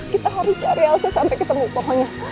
kita harus cari elsa sampai ketemu pokoknya